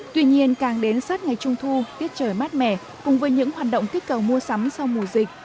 tuy nhiên càng đến sát ngày trung thu tiết trời mát mẻ cùng với những hoạt động kích cầu mua sắm sau mùa dịch